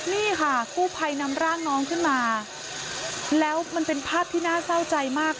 นี่ค่ะกู้ภัยนำร่างน้องขึ้นมาแล้วมันเป็นภาพที่น่าเศร้าใจมาก